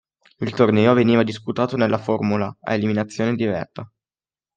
Il torneo veniva disputato nella formula a eliminazione diretta.